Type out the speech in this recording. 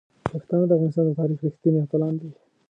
پښتانه د افغانستان د تاریخ رښتیني اتلان دي.